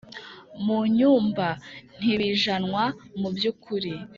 mu nyumba ntibijanwa mubyukuri